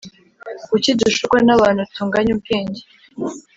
Kuki dushukwa n ‘abantu tunganya ubwenge